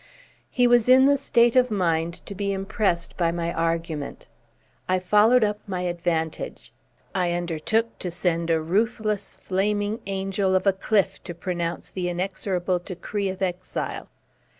He was in the state of mind to be impressed by my argument. I followed up my advantage. I undertook to send a ruthless flaming angel of a Cliffe to pronounce the inexorable decree of exile.